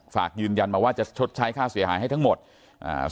ฝากยืนยันมาว่าจะชดใช้ค่าเสียหายให้ทั้งหมดอ่า